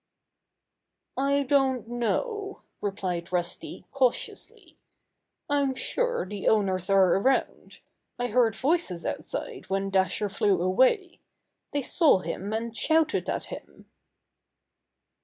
"I don't know," replied Rusty cautiously. "I'm sure the owners are around. I heard voices outside when Dasher flew away. They saw him, and shouted at him."